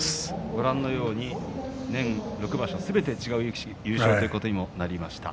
ご覧のように年６場所すべて違う力士が優勝ということになりました。